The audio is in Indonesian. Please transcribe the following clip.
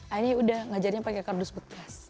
akhirnya udah ngajarnya pakai kardus bekas